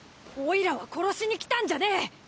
オイラは殺しに来たんじゃねえ！